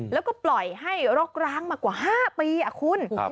แล้วก็ปล่อยให้รกร้างมากว่า๕ปีคุณ